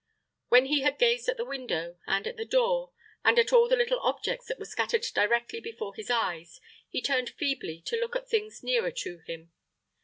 When he had gazed at the window, and at the door, and at all the little objects that were scattered directly before his eyes, he turned feebly to look at things nearer to him.